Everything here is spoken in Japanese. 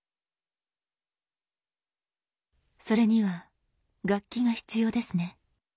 それには楽器が必要ですね。